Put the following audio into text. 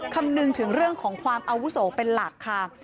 คำนึงถึงเรื่องของความอาวุโสเป็นหลักค่ะ